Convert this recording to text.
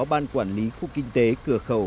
ban quản lý khu kinh tế cửa khẩu